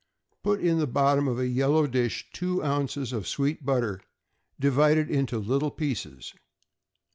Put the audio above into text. = Put in the bottom of a yellow dish two ounces of sweet butter, divided into little pieces.